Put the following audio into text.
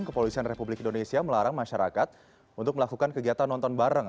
kepolisian republik indonesia melarang masyarakat untuk melakukan kegiatan nonton bareng